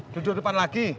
duduk depan lagi